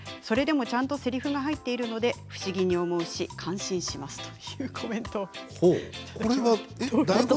それでも、ちゃんとせりふが入っているので不思議に思うし、感心します。」